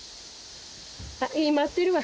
待ってるわ。